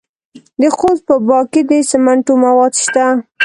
د خوست په باک کې د سمنټو مواد شته.